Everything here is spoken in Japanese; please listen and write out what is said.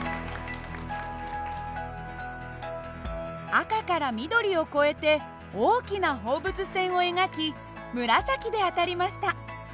赤から緑を越えて大きな放物線を描き紫で当たりました。